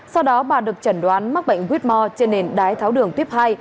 sau đó bà được chẩn đoán mắc bệnh quýt mò trên nền đái tháo đường tiếp hai